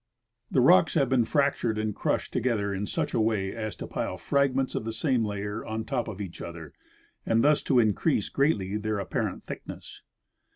The rocks have been fractured and crushed together in such a Avay as to pile fragments of the same layer on top of each other, and thus to increase greatly their apparent thickness.